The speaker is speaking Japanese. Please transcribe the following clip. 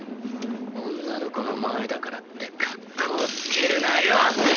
女の子の前だからって格好つけるなよ！